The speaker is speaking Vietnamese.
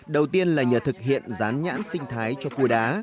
đầu tiên là nhờ thực hiện rán nhãn sinh thái cho cua đá